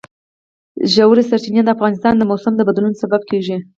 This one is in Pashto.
ژورې سرچینې د افغانستان د موسم د بدلون سبب کېږي.